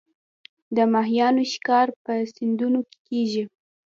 د ماهیانو ښکار په سیندونو کې کیږي